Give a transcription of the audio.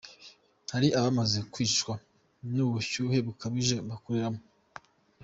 Hari abamaze kwicwa n’ubushyuhe bukabije bakoreramo’.